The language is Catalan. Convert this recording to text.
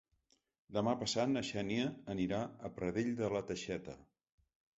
Demà passat na Xènia anirà a Pradell de la Teixeta.